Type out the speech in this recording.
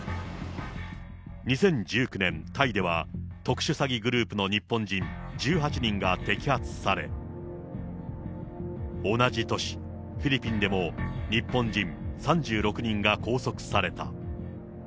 ２０１９年、タイでは特殊詐欺グループの日本人１８人が摘発され、同じ年、フィリピンでも日本人３６人が拘束された。